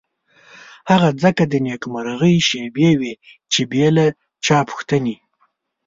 هغه ځکه د نېکمرغۍ شېبې وې چې بې له چا پوښتنې.